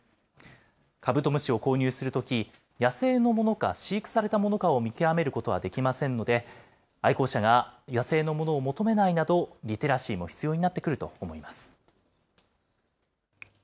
カブトムシを購入するとき、野生のものか飼育されたものかを見極めることはできませんので、愛好者が野生のものを求めないなど、リテラシーも必要になってくると思います。